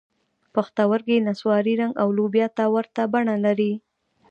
پښتورګي نسواري رنګ او لوبیا ته ورته بڼه لري.